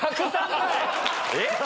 えっ⁉